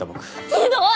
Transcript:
ひどい！